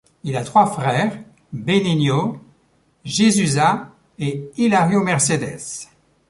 Il a trois frères: Benigno, Jesusa et Hilario Mercedes.